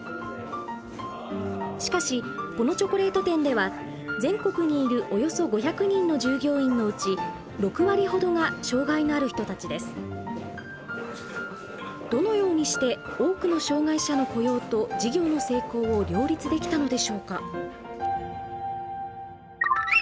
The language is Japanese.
しかしこのチョコレート店では全国にいるおよそ５００人の従業員のうちどのようにして多くの障害者の雇用と事業の成功を両立できたのでしょうか。